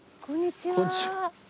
こんにちは。